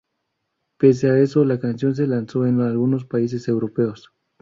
Pese a eso, la canción se lanzó en algunos países europeos.